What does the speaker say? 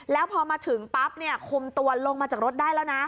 แล้วพอมาถึงปั๊บคุมตัวลงมาจากรถได้แล้วนะ